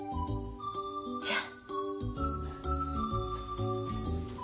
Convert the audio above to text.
じゃあ。